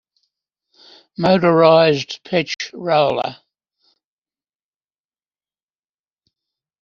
Motorized pitch roller.